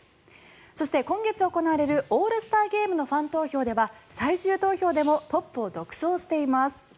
そして今月行われるオールスターゲームのファン投票では最終投票でもトップを独走しています。